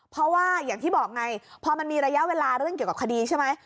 เพราะว่าอย่างที่บอกไงพอมันมีระยะเวลาเรื่องเกี่ยวกับคดีใช่ไหม